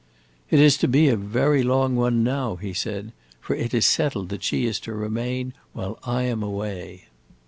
"It is to be a very long one now," he said, "for it is settled that she is to remain while I am away."